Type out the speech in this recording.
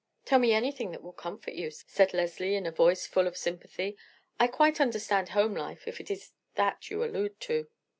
"Tell me anything that will comfort you," said Leslie in a voice full of sympathy. "I quite understand home life, if it is that you allude to."